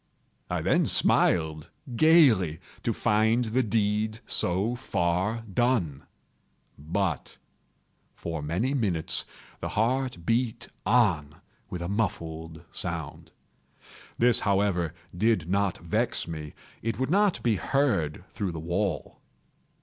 I then smiled gaily, to find the deed so far done. But, for many minutes, the heart beat on with a muffled sound. This, however, did not vex me; it would not be heard through the wall.